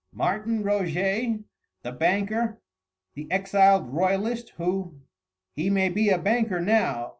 "Martin Roget? the banker the exiled royalist who...." "He may be a banker now